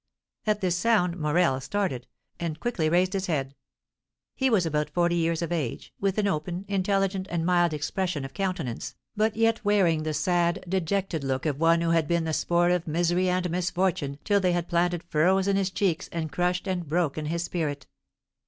At this sound Morel started, and quickly raised his head. He was about forty years of age, with an open, intelligent, and mild expression of countenance, but yet wearing the sad, dejected look of one who had been the sport of misery and misfortune till they had planted furrows in his cheeks and crushed and broken his spirit.